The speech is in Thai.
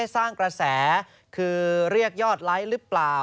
สร้างกระแสคือเรียกยอดไลค์หรือเปล่า